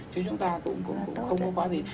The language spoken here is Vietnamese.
chứ chúng ta cũng không có quá gì